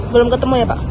belum ketemu ya pak